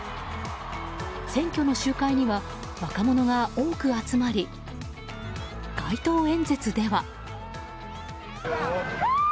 選挙の集会には若者が多く集まり街頭演説では。